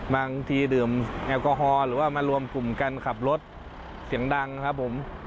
บางทีดื่มแอลกอฮอล์หรือว่ามารวมกลุ่มกันขับรถเสียงดังครับผม